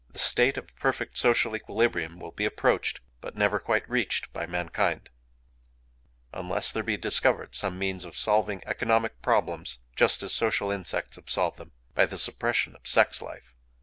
The state of perfect social equilibrium will be approached, but never quite reached, by mankind— _Unless there be discovered some means of solving economic problems, just as social insects have solved them, by the suppression of sex life_.